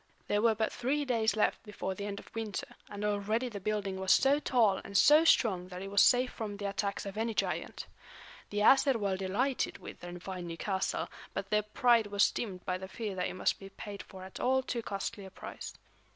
There were but three days left before the end of winter, and already the building was so tall and so strong that it was safe from the attacks of any giant. The Æsir were delighted with their fine new castle; but their pride was dimmed by the fear that it must be paid for at all too costly a price.